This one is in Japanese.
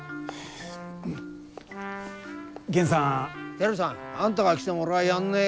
輝さんあんたが来ても俺はやんねえよ。